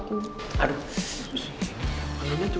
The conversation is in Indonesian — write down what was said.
makanya cuma cuplit ini tuh